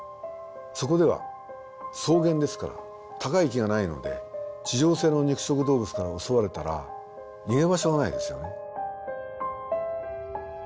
そこでは草原ですから高い木がないので地上性の肉食動物から襲われたら逃げ場所がないですよね。